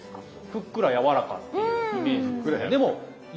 ふっくら柔らかっていうイメージですね。